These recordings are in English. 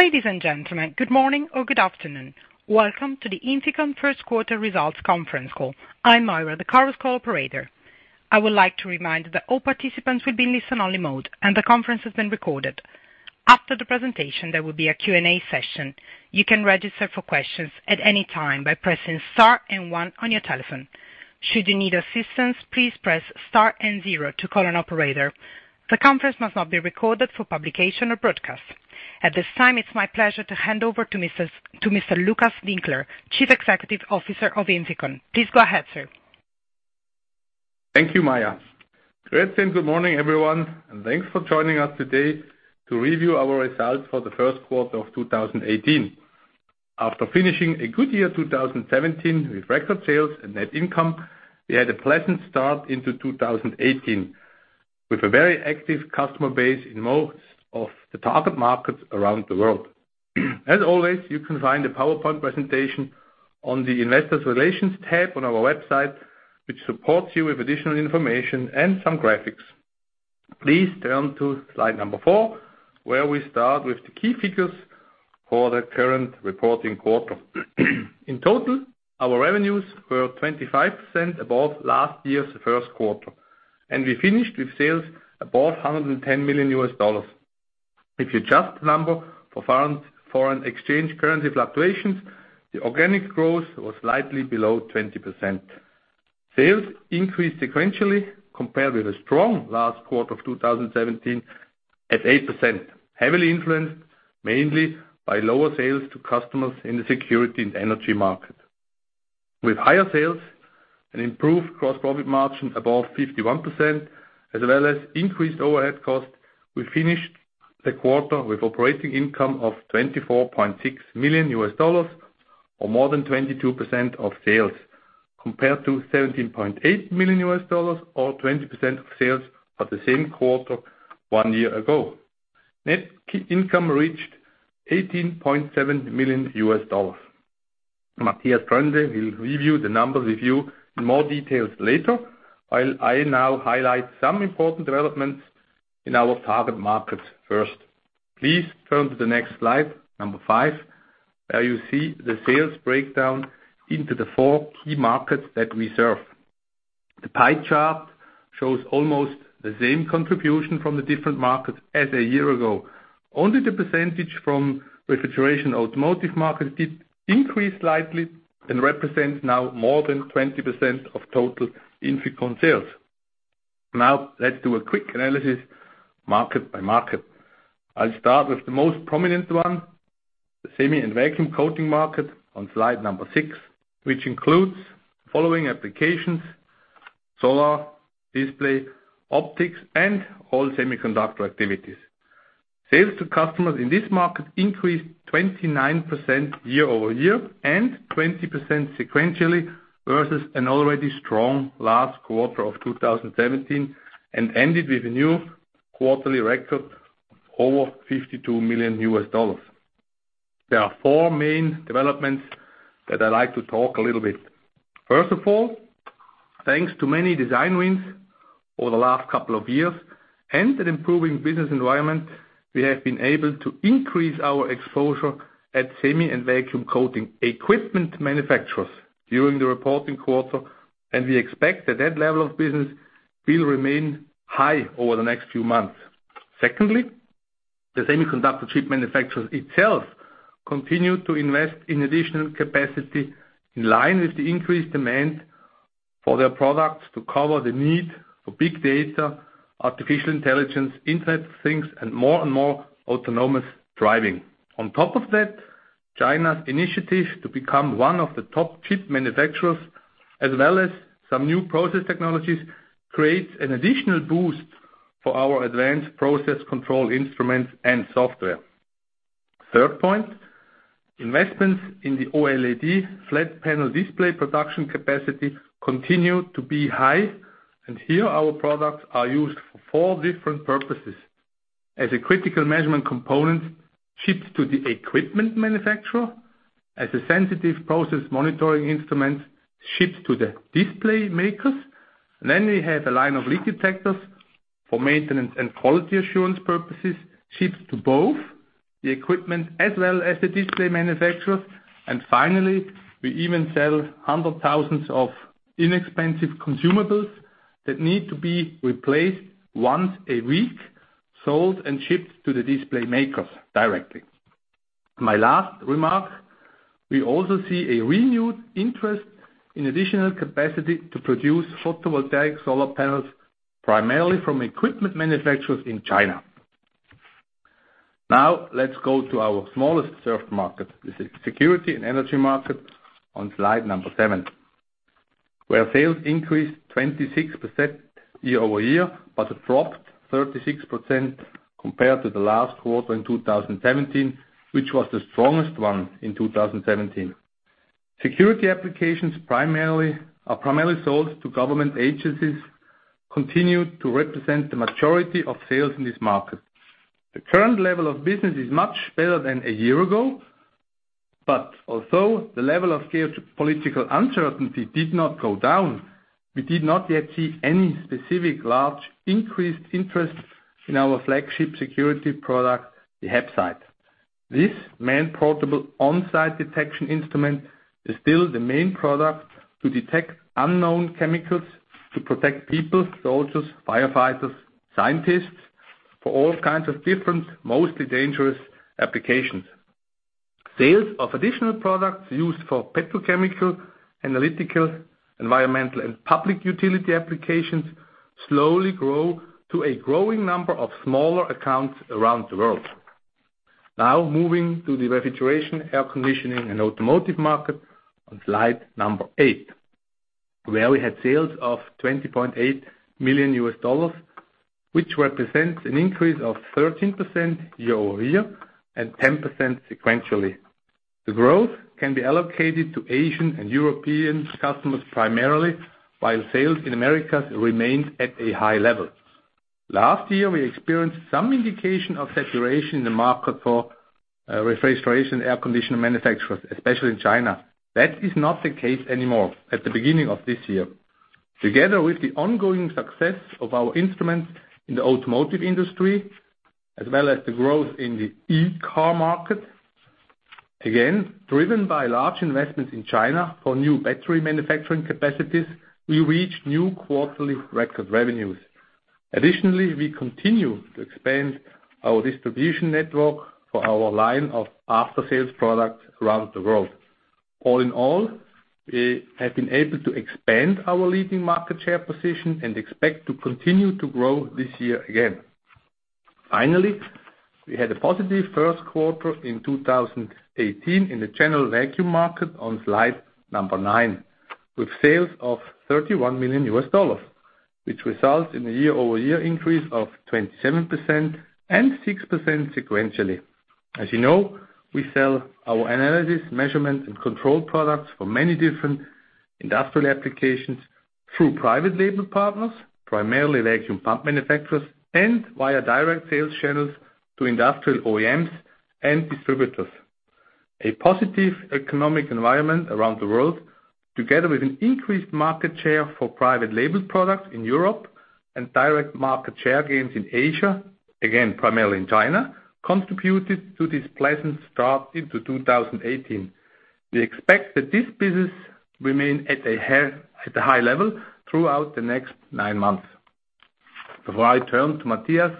Ladies and gentlemen, good morning or good afternoon. Welcome to the INFICON first quarter results conference call. I'm Myra, the Chorus Call operator. I would like to remind that all participants will be in listen-only mode, and the conference is being recorded. After the presentation, there will be a Q&A session. You can register for questions at any time by pressing star and One on your telephone. Should you need assistance, please press star and zero to call an operator. The conference must not be recorded for publication or broadcast. At this time, it's my pleasure to hand over to Mr. Lukas Winkler, Chief Executive Officer of INFICON. Please go ahead, sir. Thank you, Myra. Greetings, good morning, everyone, and thanks for joining us today to review our results for the first quarter of 2018. As always, you can find the PowerPoint presentation on the investor relations tab on our website, which supports you with additional information and some graphics. Please turn to slide number four, where we start with the key figures for the current reporting quarter. In total, our revenues were 25% above last year's first quarter, and we finished with sales above $110 million. If you adjust the number for foreign exchange currency fluctuations, the organic growth was slightly below 20%. Sales increased sequentially compared with a strong last quarter of 2017 at 8%, heavily influenced mainly by lower sales to customers in the security and energy market. With higher sales and improved gross profit margin above 51%, as well as increased overhead costs, we finished the quarter with operating income of $24.6 million, or more than 22% of sales, compared to $17.8 million or 20% of sales for the same quarter one year ago. Net income reached $18.7 million. Matthias Freund will review the numbers with you in more details later. I'll now highlight some important developments in our target markets first. Please turn to the next slide, number five, where you see the sales breakdown into the four key markets that we serve. The pie chart shows almost the same contribution from the different markets as a year ago. Only the percentage from refrigeration automotive markets did increase slightly and represents now more than 20% of total INFICON sales. Now let's do a quick analysis market by market. I'll start with the most prominent one, the semi and vacuum coating market on slide number six, which includes the following applications: solar, display, optics, and all semiconductor activities. Sales to customers in this market increased 29% year-over-year and 20% sequentially versus an already strong last quarter of 2017, and ended with a new quarterly record over $52 million. There are four main developments that I like to talk a little bit. First of all, thanks to many design wins over the last couple of years and an improving business environment, we have been able to increase our exposure at semi and vacuum coating equipment manufacturers during the reporting quarter, and we expect that level of business will remain high over the next few months. Secondly, the semiconductor chip manufacturers itself continue to invest in additional capacity in line with the increased demand for their products to cover the need for big data, artificial intelligence, Internet of Things, and more and more autonomous driving. On top of that, China's initiative to become one of the top chip manufacturers, as well as some new process technologies creates an additional boost for our advanced process control instruments and software. Third point, investments in the OLED flat panel display production capacity continue to be high, and here our products are used for four different purposes. As a critical measurement component shipped to the equipment manufacturer, as a sensitive process monitoring instrument shipped to the display makers. We have a line of leak detectors for maintenance and quality assurance purposes shipped to both the equipment as well as the display manufacturers. Finally, we even sell hundred thousands of inexpensive consumables that need to be replaced once a week, sold and shipped to the display makers directly. My last remark, we also see a renewed interest in additional capacity to produce photovoltaic solar panels primarily from equipment manufacturers in China. Let's go to our smallest served market. The security and energy market on slide seven, where sales increased 26% year-over-year, but it dropped 36% compared to the last quarter in 2017, which was the strongest one in 2017. Security applications are primarily sold to government agencies, continue to represent the majority of sales in this market. The current level of business is much better than a year ago. Also the level of geopolitical uncertainty did not go down. We did not yet see any specific large increased interest in our flagship security product, the HAPSITE. This man-portable on-site detection instrument is still the main product to detect unknown chemicals, to protect people, soldiers, firefighters, scientists, for all kinds of different, mostly dangerous applications. Sales of additional products used for petrochemical, analytical, environmental, and public utility applications slowly grow to a growing number of smaller accounts around the world. Moving to the refrigeration, air conditioning, and automotive market on slide eight, where we had sales of $20.8 million, which represents an increase of 13% year-over-year and 10% sequentially. The growth can be allocated to Asian and European customers primarily, while sales in Americas remained at a high level. Last year, we experienced some indication of saturation in the market for refrigeration air conditioner manufacturers, especially in China. That is not the case anymore at the beginning of this year. Together with the ongoing success of our instruments in the automotive industry, as well as the growth in the e-car market, again, driven by large investments in China for new battery manufacturing capacities, we reach new quarterly record revenues. Additionally, we continue to expand our distribution network for our line of after-sales products around the world. All in all, we have been able to expand our leading market share position and expect to continue to grow this year again. Finally, we had a positive first quarter in 2018 in the general vacuum market on slide number nine, with sales of $31 million, which results in a year-over-year increase of 27% and 6% sequentially. As you know, we sell our analysis, measurement, and control products for many different industrial applications through private label partners, primarily vacuum pump manufacturers, and via direct sales channels to industrial OEMs and distributors. A positive economic environment around the world, together with an increased market share for private label products in Europe and direct market share gains in Asia, again, primarily in China, contributed to this pleasant start into 2018. We expect that this business remain at a high level throughout the next nine months. Before I turn to Matthias,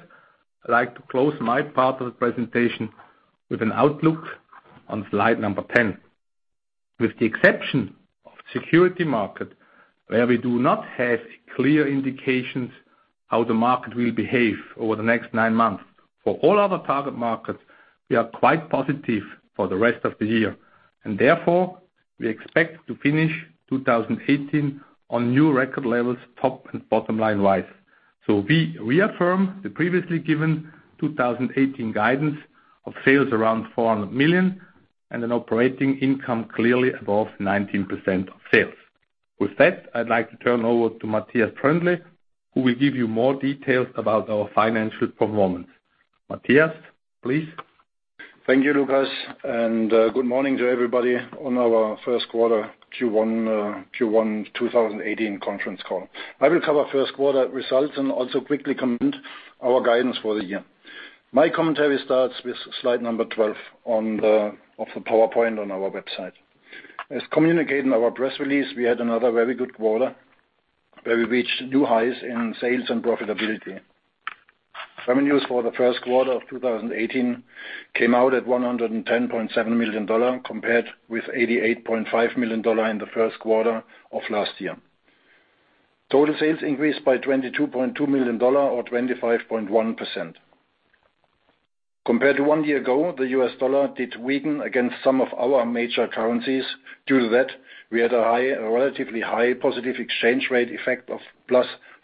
I'd like to close my part of the presentation with an outlook on slide 10. With the exception of security market, where we do not have clear indications how the market will behave over the next nine months, for all other target markets, we are quite positive for the rest of the year. Therefore, we expect to finish 2018 on new record levels, top and bottom-line wise. We reaffirm the previously given 2018 guidance of sales around $400 million and an operating income clearly above 19% of sales. With that, I'd like to turn over to Matthias Troendle, who will give you more details about our financial performance. Matthias, please. Thank you, Lukas, and good morning to everybody on our first quarter Q1 2018 conference call. I will cover first quarter results and also quickly comment our guidance for the year. My commentary starts with slide 12 of the PowerPoint on our website. As communicated in our press release, we had another very good quarter, where we reached new highs in sales and profitability. Revenues for the first quarter of 2018 came out at $110.7 million, compared with $88.5 million in the first quarter of last year. Total sales increased by $22.2 million or 25.1%. Compared to one year ago, the U.S. dollar did weaken against some of our major currencies. Due to that, we had a relatively high positive exchange rate effect of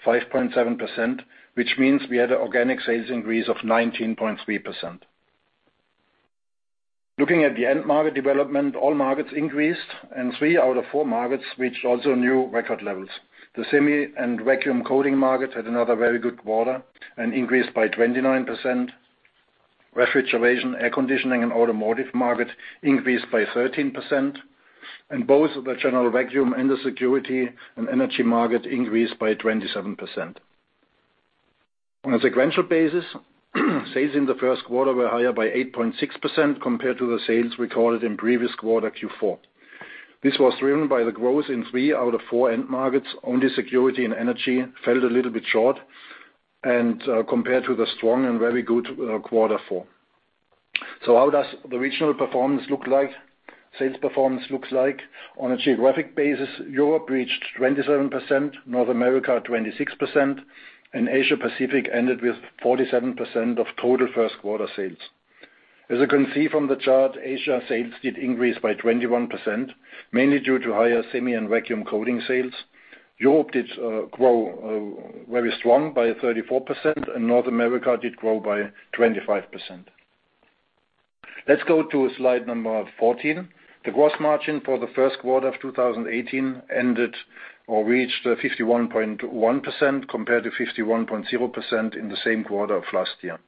+5.7%, which means we had an organic sales increase of 19.3%. Looking at the end market development, all markets increased, and three out of four markets reached also new record levels. The semi and vacuum coating market had another very good quarter and increased by 29%. Refrigeration, air conditioning, and automotive market increased by 13%, and both the general vacuum and the security and energy market increased by 27%. On a sequential basis, sales in the first quarter were higher by 8.6% compared to the sales recorded in previous quarter Q4. This was driven by the growth in three out of four end markets. Only security and energy fell a little bit short and compared to the strong and very good quarter four. How does the regional sales performance looks like? On a geographic basis, Europe reached 27%, North America 26%, and Asia Pacific ended with 47% of total first quarter sales. As you can see from the chart, Asia sales did increase by 21%, mainly due to higher semi and vacuum coating sales. Europe did grow very strong by 34%, and North America did grow by 25%. Let's go to slide 14. The gross margin for the first quarter of 2018 ended or reached 51.1% compared to 51.0% in the same quarter of last year.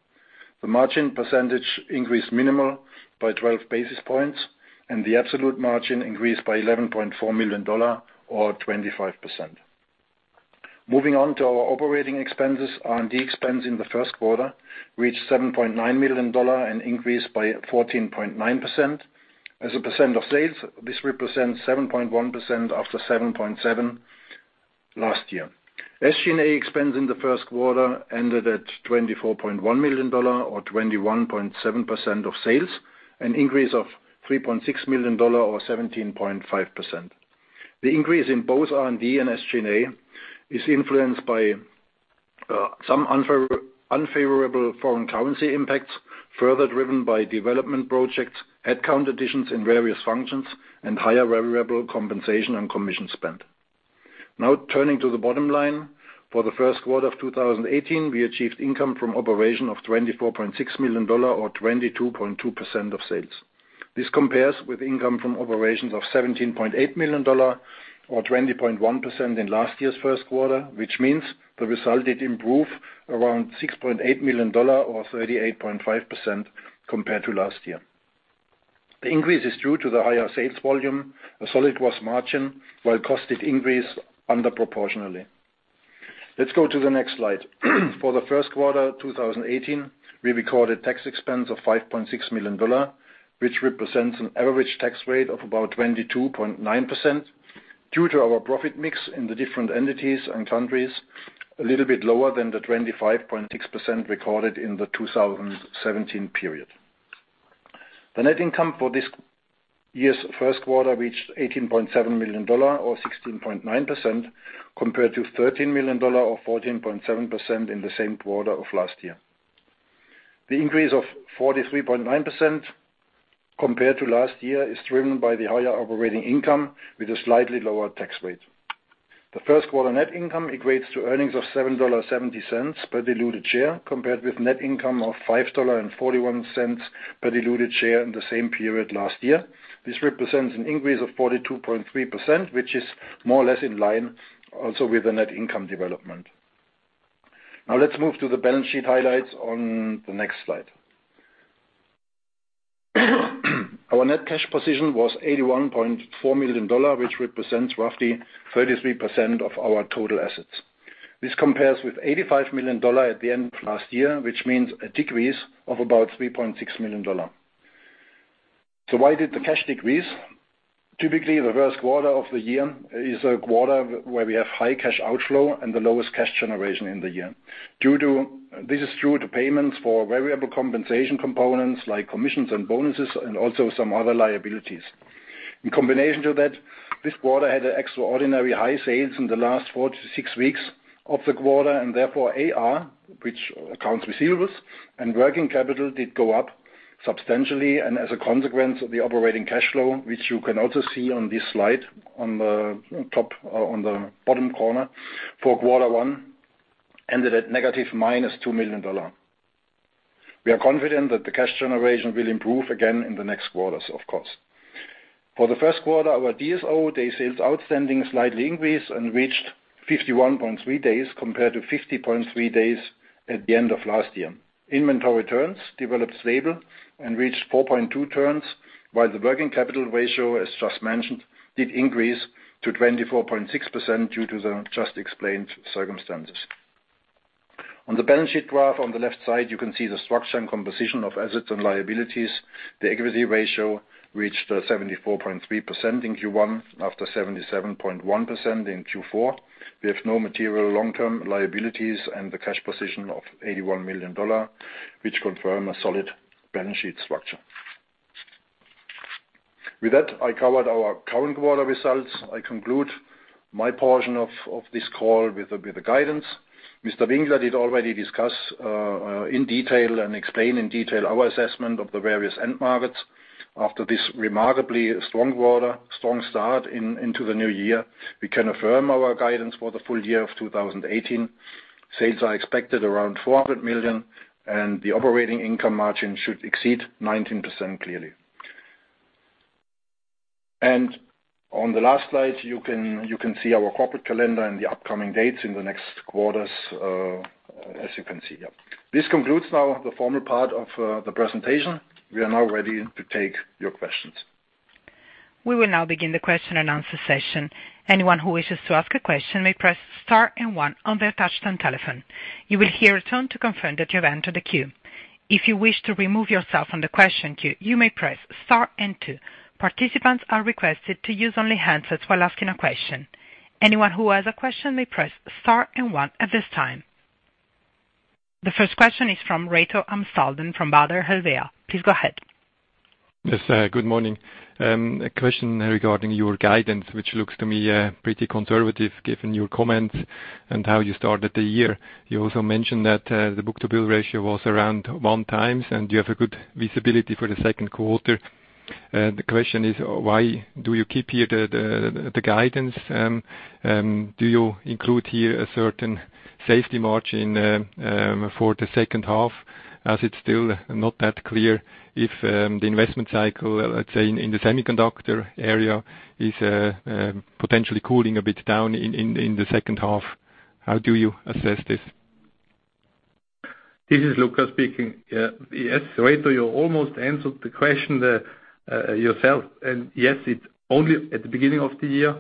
The margin percentage increased minimal by 12 basis points, and the absolute margin increased by $11.4 million or 25%. Moving on to our operating expenses. R&D expense in the first quarter reached $7.9 million and increased by 14.9%. As a percent of sales, this represents 7.1% after 7.7% last year. SG&A expense in the first quarter ended at $24.1 million or 21.7% of sales, an increase of $3.6 million or 17.5%. The increase in both R&D and SG&A is influenced by some unfavorable foreign currency impacts, further driven by development projects, headcount additions in various functions, and higher variable compensation and commission spend. Now turning to the bottom line. For the first quarter of 2018, we achieved income from operation of $24.6 million or 22.2% of sales. This compares with income from operations of $17.8 million or 20.1% in last year's first quarter, which means the result did improve around $6.8 million or 38.5% compared to last year. The increase is due to the higher sales volume, a solid gross margin, while cost did increase under proportionally. Let's go to the next slide. For the first quarter 2018, we recorded tax expense of $5.6 million, which represents an average tax rate of about 22.9% due to our profit mix in the different entities and countries, a little bit lower than the 25.6% recorded in the 2017 period. The net income for this year's first quarter reached $18.7 million or 16.9%, compared to $13 million or 14.7% in the same quarter of last year. The increase of 43.9% compared to last year is driven by the higher operating income with a slightly lower tax rate. The first quarter net income equates to earnings of $7.70 per diluted share, compared with net income of $5.41 per diluted share in the same period last year. This represents an increase of 42.3%, which is more or less in line also with the net income development. Now let's move to the balance sheet highlights on the next slide. Our net cash position was $81.4 million, which represents roughly 33% of our total assets. This compares with $85 million at the end of last year, which means a decrease of about $3.6 million. Why did the cash decrease? Typically, the first quarter of the year is a quarter where we have high cash outflow and the lowest cash generation in the year. This is due to payments for variable compensation components like commissions and bonuses and also some other liabilities. In combination to that, this quarter had extraordinary high sales in the last four to six weeks of the quarter and therefore AR, which accounts receivables, and working capital did go up substantially and as a consequence of the operating cash flow, which you can also see on this slide on the bottom corner for quarter one, ended at -$2 million. We are confident that the cash generation will improve again in the next quarters, of course. For the first quarter, our DSO, days sales outstanding, slightly increased and reached 51.3 days compared to 50.3 days at the end of last year. Inventory turns developed stable and reached 4.2 turns, while the working capital ratio, as just mentioned, did increase to 24.6% due to the just explained circumstances. On the balance sheet graph on the left side, you can see the structure and composition of assets and liabilities. The equity ratio reached 74.3% in Q1 after 77.1% in Q4. We have no material long-term liabilities and the cash position of $81 million, which confirm a solid balance sheet structure. With that, I covered our current quarter results. I conclude my portion of this call with the guidance. Mr. Winkler did already discuss in detail and explain in detail our assessment of the various end markets. After this remarkably strong quarter, strong start into the new year, we can affirm our guidance for the full year of 2018. Sales are expected around $400 million, and the operating income margin should exceed 19% clearly. On the last slide, you can see our corporate calendar and the upcoming dates in the next quarters, as you can see here. This concludes now the formal part of the presentation. We are now ready to take your questions. We will now begin the question and answer session. Anyone who wishes to ask a question may press star and one on their touch-tone telephone. You will hear a tone to confirm that you have entered the queue. If you wish to remove yourself from the question queue, you may press Star and two. Participants are requested to use only handsets while asking a question. Anyone who has a question may press Star and one at this time. The first question is from Reto Amsalden from Baader Helvea. Please go ahead. Yes. Good morning. A question regarding your guidance, which looks to me pretty conservative given your comments and how you started the year. You also mentioned that the book-to-bill ratio was around 1 times, and you have a good visibility for the second quarter. The question is, why do you keep here the guidance? Do you include here a certain safety margin for the second half as it's still not that clear if the investment cycle, let's say, in the semiconductor area is potentially cooling a bit down in the second half? How do you assess this? This is Lukas speaking. Yes, Reto, you almost answered the question yourself. Yes, it's only at the beginning of the year.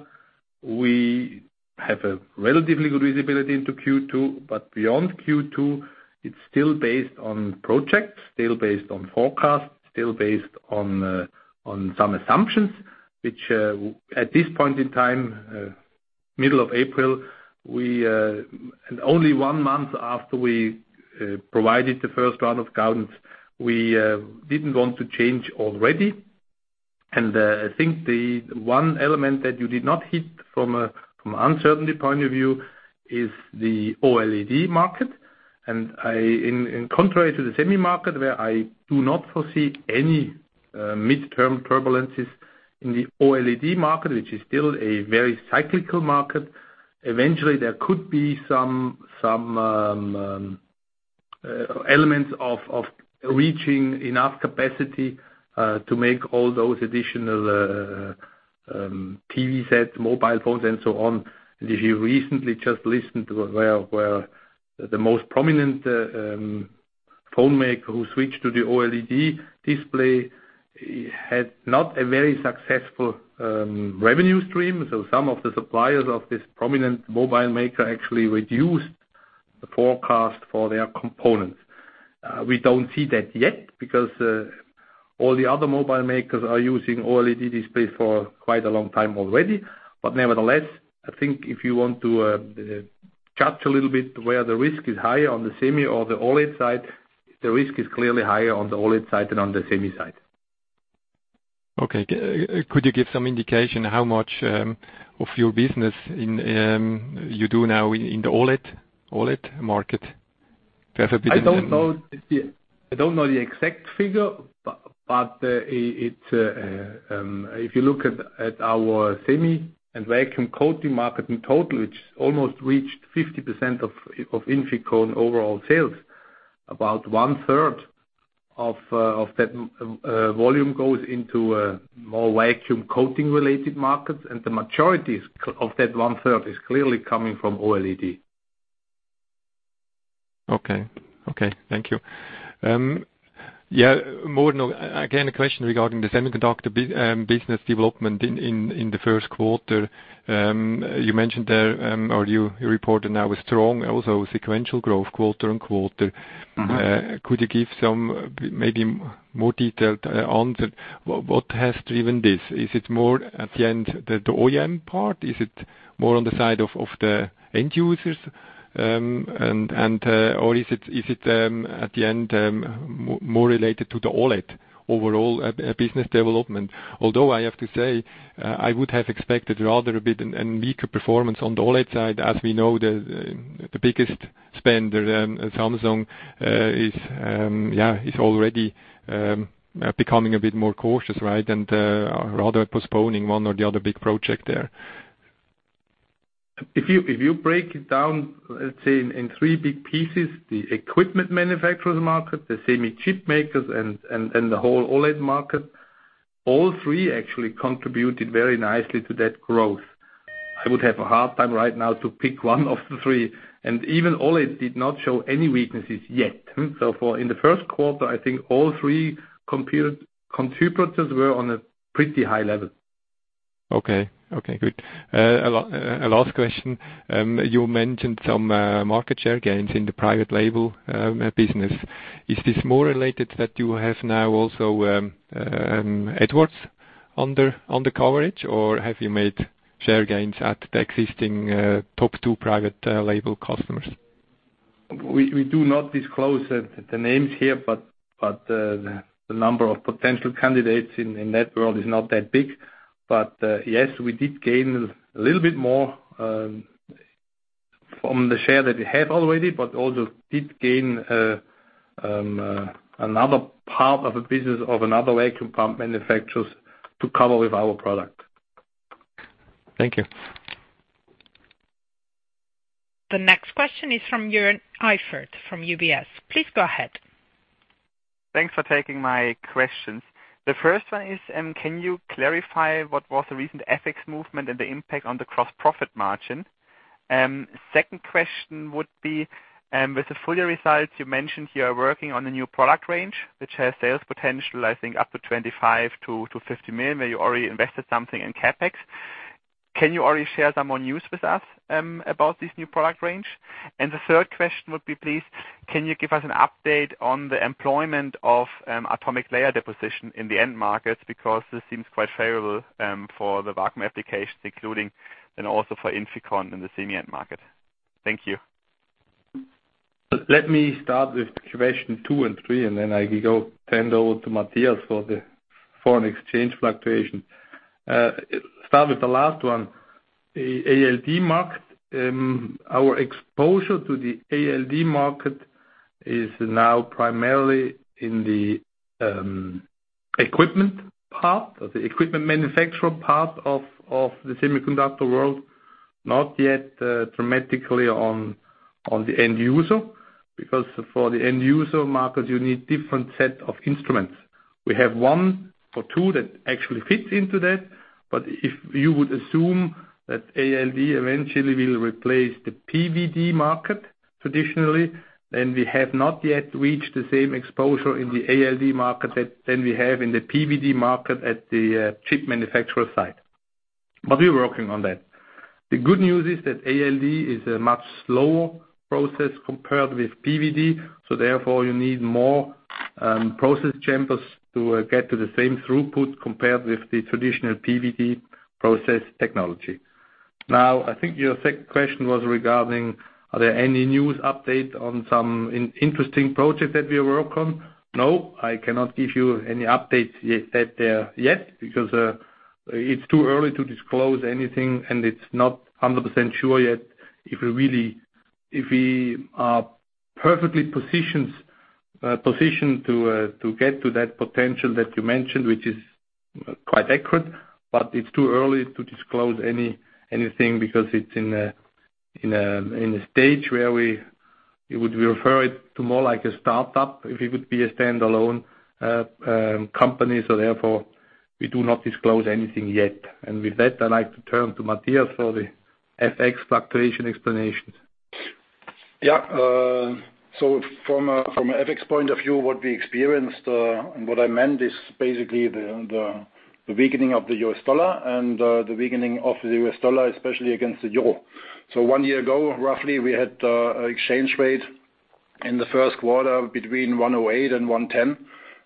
We have a relatively good visibility into Q2, but beyond Q2, it's still based on projects, still based on forecasts, still based on some assumptions, which at this point in time, middle of April, only one month after we provided the first round of guidance, we didn't want to change already. I think the one element that you did not hit from an uncertainty point of view is the OLED market. In contrary to the semi market, where I do not foresee any midterm turbulences in the OLED market, which is still a very cyclical market, eventually there could be some elements of reaching enough capacity to make all those additional TV sets, mobile phones, and so on. If you recently just listened to where the most prominent phone maker who switched to the OLED display had not a very successful revenue stream. Some of the suppliers of this prominent mobile maker actually reduced the forecast for their components. We don't see that yet, because all the other mobile makers are using OLED display for quite a long time already. Nevertheless, I think if you want to judge a little bit where the risk is higher on the semi or the OLED side, the risk is clearly higher on the OLED side than on the semi side. Okay. Could you give some indication how much of your business you do now in the OLED market? I don't know the exact figure, but if you look at our semi and vacuum coating market in total, it's almost reached 50% of INFICON overall sales. About one third of that volume goes into more vacuum coating related markets, and the majority of that one third is clearly coming from OLED. Okay. Thank you. Again, a question regarding the semiconductor business development in the first quarter. You mentioned there, or you reported now a strong also sequential growth quarter-on-quarter. Could you give some maybe more detail on what has driven this? Is it more at the end, the OEM part? Is it more on the side of the end users? Is it at the end more related to the OLED overall business development? Although I have to say, I would have expected rather a bit weaker performance on the OLED side. As we know, the biggest spender, Samsung, is already becoming a bit more cautious, right? Rather postponing one or the other big project there. If you break it down, let's say in three big pieces, the equipment manufacturers market, the semi-chip makers and the whole OLED market, all three actually contributed very nicely to that growth. I would have a hard time right now to pick one of the three, and even OLED did not show any weaknesses yet. In the first quarter, I think all three contributors were on a pretty high level. Okay, good. A last question. You mentioned some market share gains in the private label business. Is this more related that you have now also Edwards under coverage, or have you made share gains at the existing top two private label customers? We do not disclose the names here, but the number of potential candidates in that world is not that big. Yes, we did gain a little bit more from the share that we have already, also did gain another part of a business of another vacuum pump manufacturer to cover with our product. Thank you. The next question is from Joern Iffert from UBS. Please go ahead. Thanks for taking my questions. The first one is, can you clarify what was the recent FX movement and the impact on the gross profit margin? Second question would be, with the full year results you mentioned you are working on a new product range, which has sales potential, I think up to $25 million-$50 million, where you already invested something in CapEx. Can you already share some more news with us about this new product range? The third question would be, please can you give us an update on the employment of atomic layer deposition in the end markets because this seems quite favorable for the vacuum applications including and also for INFICON in the semi end market. Thank you. Let me start with question two and three, then I will hand over to Matthias Troendle for the foreign exchange fluctuation. Start with the last one. ALD market. Our exposure to the ALD market is now primarily in the equipment part or the equipment manufacturer part of the semiconductor world, not yet dramatically on the end user, because for the end user market, you need different set of instruments. We have one or two that actually fit into that. If you would assume that ALD eventually will replace the PVD market traditionally, then we have not yet reached the same exposure in the ALD market than we have in the PVD market at the chip manufacturer side. We're working on that. The good news is that ALD is a much slower process compared with PVD, therefore you need more process chambers to get to the same throughput compared with the traditional PVD process technology. I think your second question was regarding, are there any news updates on some interesting projects that we work on? No, I cannot give you any updates yet there yet, because it's too early to disclose anything and it's not 100% sure yet if we are perfectly positioned to get to that potential that you mentioned, which is quite accurate, it's too early to disclose anything because it's in a stage where we would refer it to more like a startup if it would be a standalone company. Therefore, we do not disclose anything yet. With that, I'd like to turn to Matthias Troendle for the FX fluctuation explanations. From a FX point of view, what we experienced, and what I meant is basically the weakening of the US dollar, and the weakening of the US dollar, especially against the EUR. One year ago, roughly, we had exchange rate in the first quarter between 108 and 110.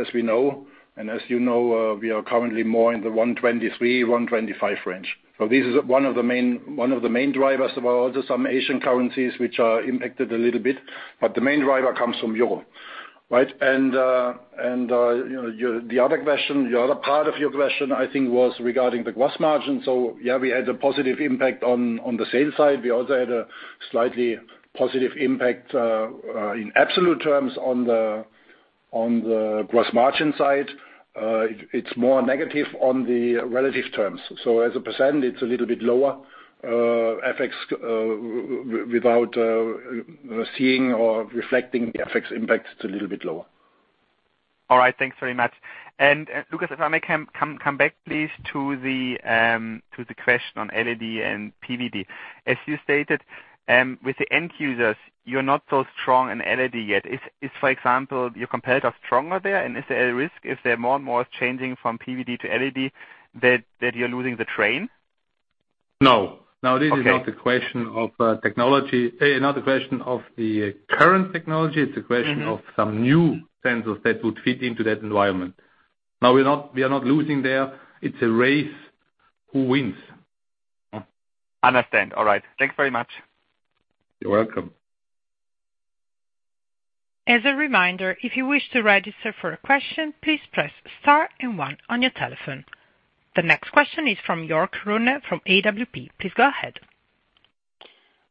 As we know, and as you know, we are currently more in the 123, 125 range. This is one of the main drivers. There are also some Asian currencies which are impacted a little bit, the main driver comes from EUR. The other part of your question, I think was regarding the gross margin. We had a positive impact on the sales side. We also had a slightly positive impact, in absolute terms on the gross margin side. It's more negative on the relative terms. As a %, it's a little bit lower, without seeing or reflecting the FX impact, it's a little bit lower. Thanks very much. Lukas, if I may come back please to the question on ALD and PVD. As you stated, with the end users, you're not so strong in ALD yet. Is for example, your competitor stronger there, and is there a risk if they're more and more changing from PVD to ALD, that you're losing the train? No. Okay. This is not a question of the current technology. It's a question of some new sensors that would fit into that environment. No, we are not losing there. It's a race who wins. Understand. All right. Thanks very much. You're welcome. As a reminder, if you wish to register for a question, please press star and one on your telephone. The next question is from Jorg Gruner from AWP. Please go ahead.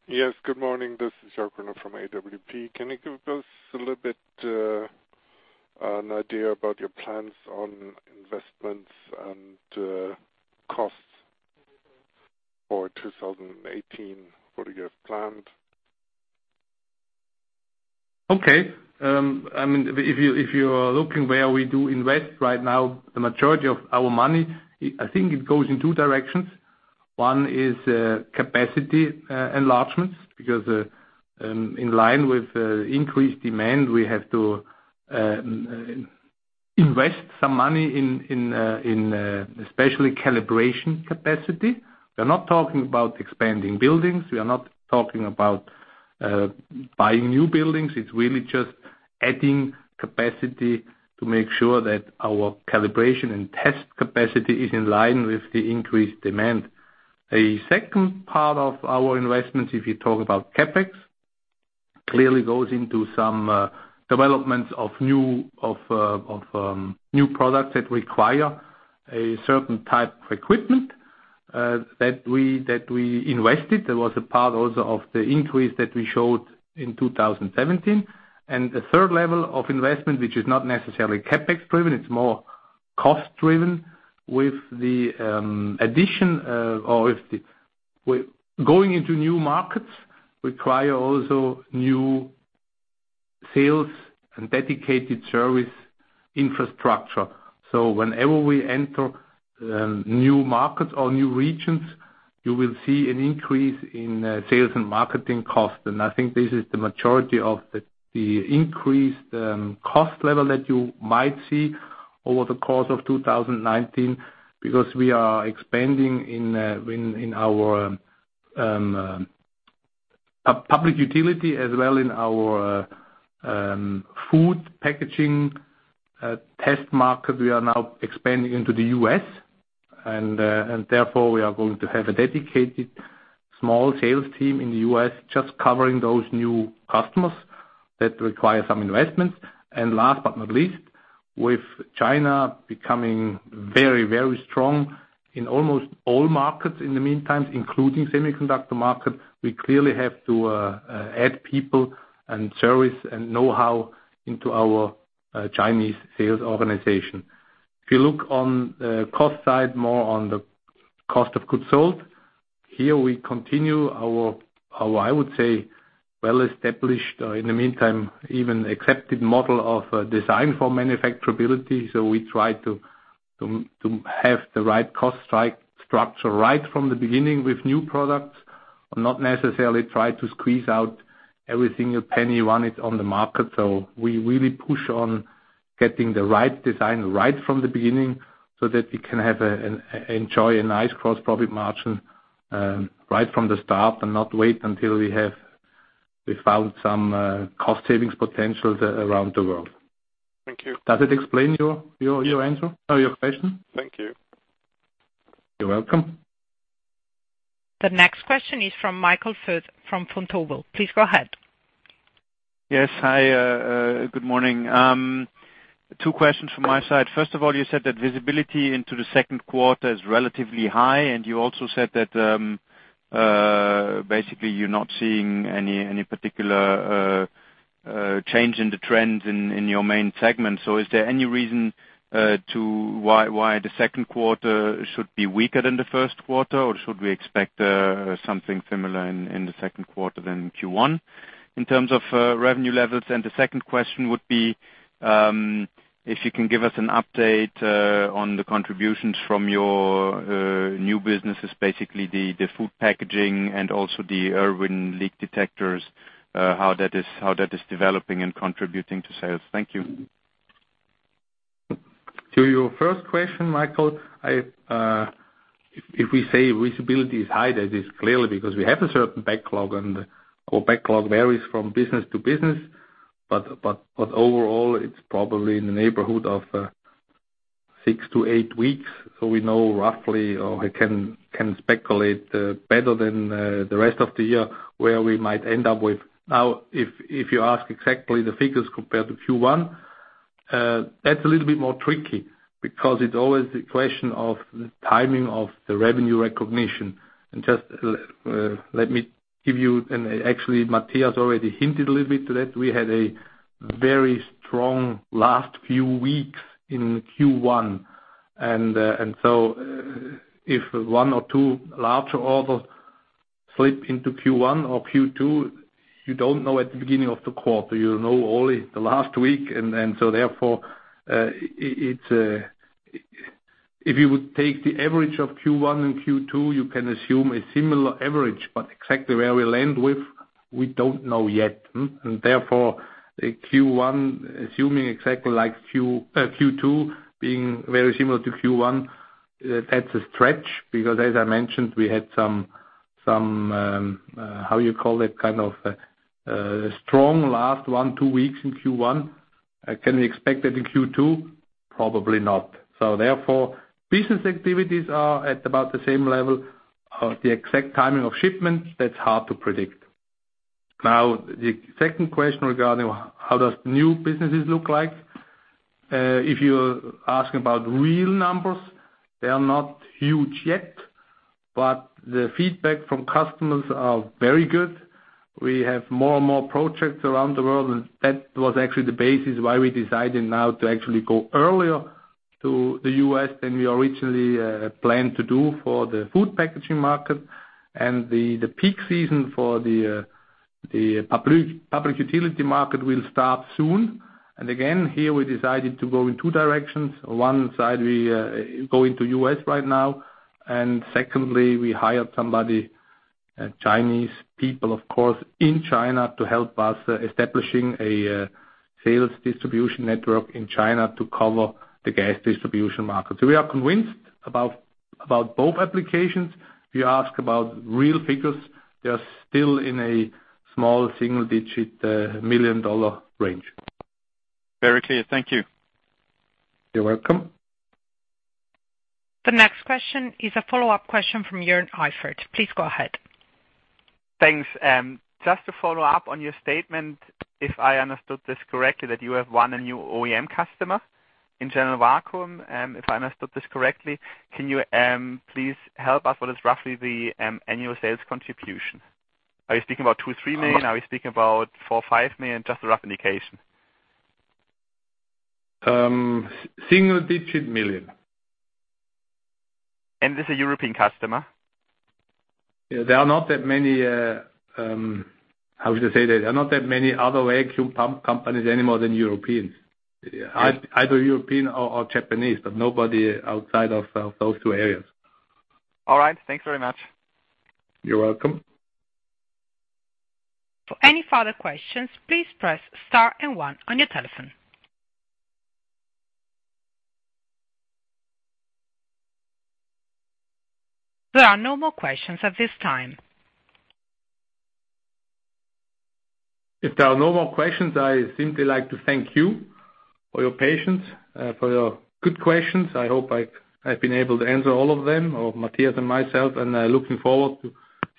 Yes, good morning. This is Jorg Gruner from AWP. Can you give us a little bit an idea about your plans on investments and costs for 2018, what you have planned? Okay. If you are looking where we do invest right now, the majority of our money, I think it goes in two directions. One is capacity enlargements, because in line with increased demand, we have to invest some money in especially calibration capacity. We are not talking about expanding buildings, we are not talking about buying new buildings. It's really just adding capacity to make sure that our calibration and test capacity is in line with the increased demand. A second part of our investments, if you talk about CapEx, clearly goes into some developments of new products that require a certain type of equipment that we invested. That was a part also of the increase that we showed in 2017. The third level of investment, which is not necessarily CapEx-driven, it's more cost-driven. With going into new markets require also new sales and dedicated service infrastructure. Whenever we enter new markets or new regions, you will see an increase in sales and marketing costs. I think this is the majority of the increased cost level that you might see over the course of 2019 because we are expanding in our public utility as well in our food packaging test market. We are now expanding into the U.S. and therefore we are going to have a dedicated small sales team in the U.S. just covering those new customers that require some investments. Last but not least, with China becoming very strong in almost all markets in the meantime, including semiconductor market, we clearly have to add people and service and knowhow into our Chinese sales organization. If you look on cost side, more on the cost of goods sold. Here we continue our, I would say, well-established, in the meantime, even accepted model of design for manufacturability. We try to have the right cost structure right from the beginning with new products. Not necessarily try to squeeze out every single penny wanted on the market. We really push on getting the right design right from the beginning so that we can enjoy a nice gross profit margin right from the start and not wait until we've found some cost savings potential around the world. Thank you. Does it explain your question? Thank you. You're welcome. The next question is from Michael Foeth from Vontobel. Please go ahead. Yes. Hi, good morning. Two questions from my side. First of all, you said that visibility into the second quarter is relatively high, and you also said that, basically you're not seeing any particular change in the trends in your main segment. Is there any reason why the second quarter should be weaker than the first quarter, or should we expect something similar in the second quarter than in Q1 in terms of revenue levels? The second question would be, if you can give us an update on the contributions from your new businesses, basically the food packaging and also the IRwin leak detectors, how that is developing and contributing to sales. Thank you. To your first question, Michael, if we say visibility is high, that is clearly because we have a certain backlog and our backlog varies from business to business. Overall, it's probably in the neighborhood of six to eight weeks. We know roughly, or I can speculate better than the rest of the year, where we might end up with. Now, if you ask exactly the figures compared to Q1, that's a little bit trickier because it's always a question of the timing of the revenue recognition. Just let me give you, and actually, Matthias already hinted a little bit to that. We had a very strong last few weeks in Q1. If one or two larger orders slip into Q1 or Q2, you don't know at the beginning of the quarter. You know only the last week. Therefore, if you would take the average of Q1 and Q2, you can assume a similar average, but exactly where we'll end, we don't know yet. Therefore, Q1 assuming exactly like Q2 being very similar to Q1, that's a stretch because as I mentioned, we had some, how you call it, kind of a strong last one, two weeks in Q1. Can we expect that in Q2? Probably not. Therefore, business activities are at about the same level. The exact timing of shipments, that's hard to predict. Now, the second question regarding how does new businesses look like. If you're asking about real numbers, they are not huge yet. The feedback from customers are very good. We have more and more projects around the world. That was actually the basis why we decided now to actually go earlier to the U.S. than we originally planned to do for the food packaging market. The peak season for the public utility market will start soon. Again, here we decided to go in two directions. One side, we go into U.S. right now. Secondly, we hired somebody, Chinese people, of course, in China to help us establishing a sales distribution network in China to cover the gas distribution market. We are convinced about both applications. If you ask about real figures, they are still in a small single-digit million-dollar range. Very clear. Thank you. You're welcome. The next question is a follow-up question from Joern Iffert. Please go ahead. Thanks. Just to follow up on your statement, if I understood this correctly, that you have won a new OEM customer in General Vacuum. If I understood this correctly, can you please help us, what is roughly the annual sales contribution? Are you speaking about $2 million, $3 million? Are we speaking about $4 million or $5 million? Just a rough indication. Single-digit million. This is a European customer? There are not that many, how should I say that? There are not that many other vacuum pump companies anymore than Europeans. Yes. Either European or Japanese, but nobody outside of those two areas. All right. Thanks very much. You're welcome. For any further questions, please press * and one on your telephone. There are no more questions at this time. If there are no more questions, I simply like to thank you for your patience, for your good questions. I hope I've been able to answer all of them, or Matthias and myself. Looking forward to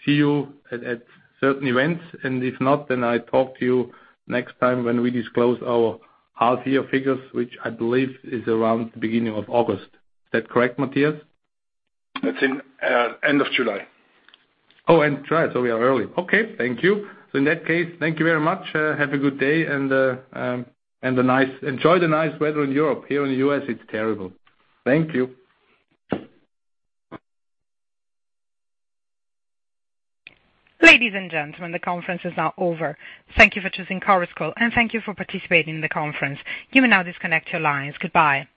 see you at certain events. If not, then I talk to you next time when we disclose our half-year figures, which I believe is around the beginning of August. Is that correct, Matthias? That's in end of July. Oh, end of July. We are early. Okay. Thank you. In that case, thank you very much. Have a good day and enjoy the nice weather in Europe. Here in the U.S., it's terrible. Thank you. Ladies and gentlemen, the conference is now over. Thank you for choosing Chorus Call, and thank you for participating in the conference. You may now disconnect your lines. Goodbye.